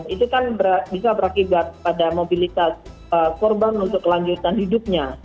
itu kan bisa berakibat pada mobilitas korban untuk kelanjutan hidupnya